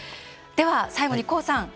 では、最後にＫＯＯさん。